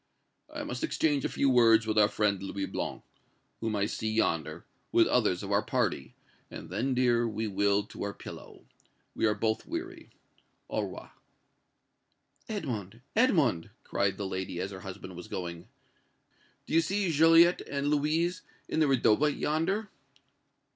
"I must exchange a few words with our friend Louis Blanc, whom I see yonder, with others of our party, and then, dear, we will to our pillow. We are both weary. Au revoir!" "Edmond Edmond!" cried the lady, as her husband was going, "do you see Joliette and Louise in the redowa yonder?"